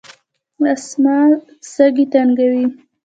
د اسثما سږي تنګوي.